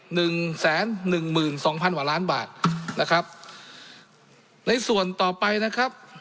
หนึ่งแสนหนึ่งหมื่นสองพันกว่าล้านบาทนะครับในส่วนต่อไปนะครับ